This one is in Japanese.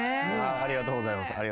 ありがとうございます。